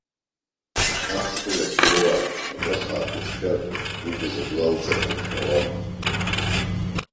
Аф рылахь уоуааит, ажәа хаак уҿшәар, убз адоу алҵыр ҳәа ушәауама.